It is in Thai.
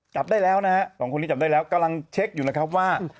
จับได้แล้วนะฮะสองคนนี้จับได้แล้วกำลังเช็คอยู่แล้วครับว่า